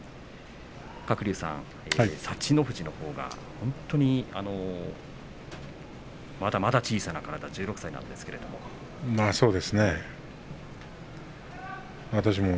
鶴竜さん、幸乃富士のほうが本当にまだまだ小さな体１６歳なんですけれども。